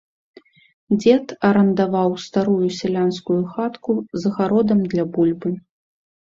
Дзед арандаваў старую сялянскую хатку з гародам для бульбы.